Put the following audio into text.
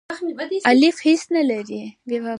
الیف هیڅ نه لری.